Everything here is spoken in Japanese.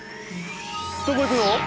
どこ行くの？